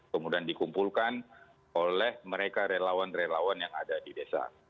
kemudian dikumpulkan oleh mereka relawan relawan yang ada di desa